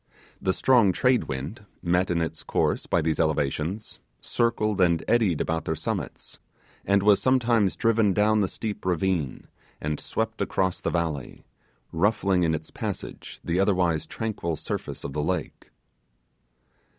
The strong trade wind, met in its course by these elevations, circled and eddied about their summits, and was sometimes driven down the steep ravine and swept across the valley, ruffling in its passage the otherwise tranquil surface of the lake.